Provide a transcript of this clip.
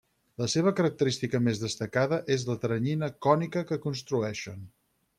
La seva característica més destacada és la teranyina cònica que construeixen.